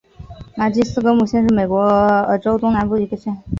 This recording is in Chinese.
马斯金格姆县是美国俄亥俄州东南部的一个县。